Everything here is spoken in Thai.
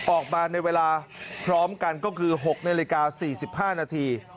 ออกมาในเวลาพร้อมกันก็คือ๖นาฬิกา๔๕นาที